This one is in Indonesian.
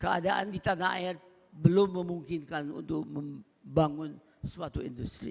keadaan di tanah air belum memungkinkan untuk membangun suatu industri